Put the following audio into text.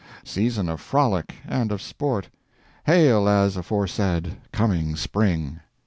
Season of frolic and of sport, Hail, as aforesaid, coming Spring!